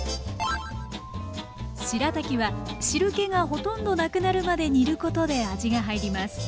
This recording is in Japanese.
しらたきは汁けがほとんどなくなるまで煮ることで味が入ります。